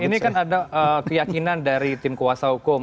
ini kan ada keyakinan dari tim kuasa hukum